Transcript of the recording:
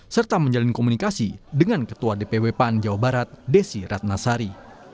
serta menjalin komunikasi dengan ketua dpw pan jawa barat desi ratnasari